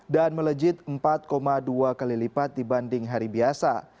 dan melejit empat dua kali lipat dibanding hari biasa